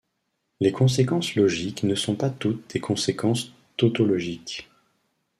Les conséquences logiques ne sont pas toutes des conséquences tautologiques.